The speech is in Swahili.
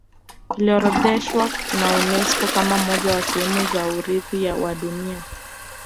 iliorodheshwa na unesco kama moja ya sehemu za urithi wa dunia